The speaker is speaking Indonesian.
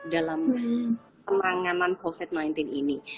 dalam penanganan covid sembilan belas ini